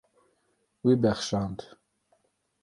Wî bexşand.